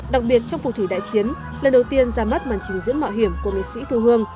đặc biệt trong phù thủy đại chiến lần đầu tiên ra mắt màn trình diễn mạo hiểm của nghệ sĩ thu hương